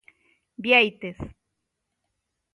Biéitez.